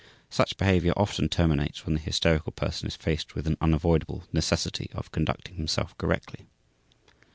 Such behavior often terminates when the hysterical person is faced with an unavoidable necessity of conducting himself correctly.